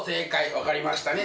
わかりましたね。